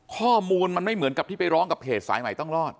ข้อมูลมันไม่เหมือนกับที่ไปร้องกับเพจสายใหม่ต้องรอด